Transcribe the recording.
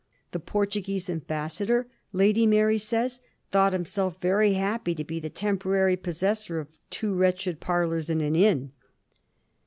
The Portuguese Ambassador, Lady Mary says, thought himself very happy to be the tem porary possessor of ^two wretched parlours in an inn.